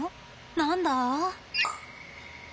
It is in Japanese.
何だ？